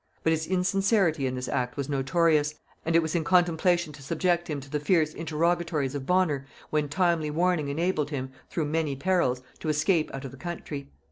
But his insincerity in this act was notorious, and it was in contemplation to subject him to the fierce interrogatories of Bonner, when timely warning enabled him, through many perils, to escape out of the country.